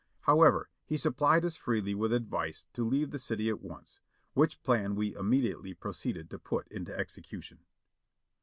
However, he supplied us freely with advice to leave the city at once, which plan we immediately proceeded to put into execution.